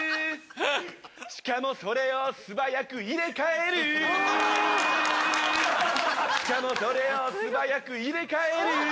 しかもそれを素早く入れ替える